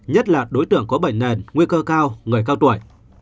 nhất là đối tượng có bệnh nền nguy cơ cao người cao tuổi